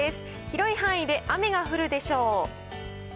広い範囲で雨が降るでしょう。